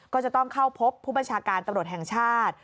ก็จะต้องเข้าพบผู้บัญชาการตำรวจแห่งชาติ